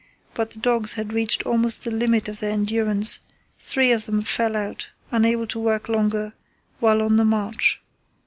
But the dogs had reached almost the limit of their endurance; three of them fell out, unable to work longer, while on the march.